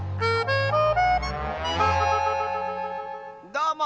どうも。